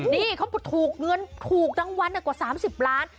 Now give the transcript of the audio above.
นี่เขาถูกเงินถูกรางวัลกว่า๓๐ล้าน